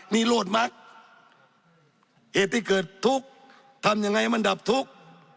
นี่โรดมักเหตุที่เกิดทุกข์ทำยังไงให้มันดับทุกข์